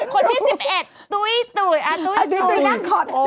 ขนที่๑๑ตุ๋ยตุ๋ย